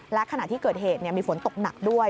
และขณะที่เกิดเหตุมีฝนตกหนักด้วย